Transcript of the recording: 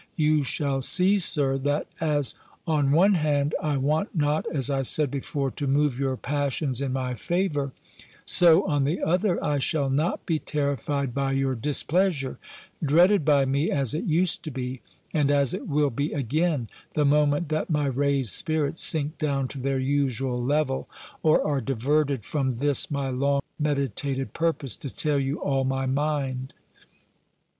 You shall see, Sir, that as, on one hand, I want not, as I said before, to move your passions in my favour; so, on the other, I shall not be terrified by your displeasure, dreaded by me as it used to be, and as it will be again, the moment that my raised spirits sink down to their usual level, or are diverted from this my long meditated purpose, to tell you all my mind.